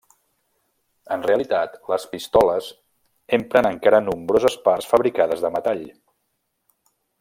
En realitat, les pistoles empren encara nombroses parts fabricades de metall.